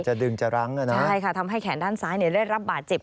จะดึงจะรั้งอ่ะนะใช่ค่ะทำให้แขนด้านซ้ายเนี่ยได้รับบาดเจ็บ